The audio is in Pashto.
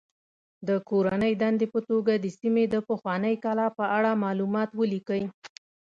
د کورنۍ دندې په توګه د سیمې د پخوانۍ کلا په اړه معلومات ولیکئ.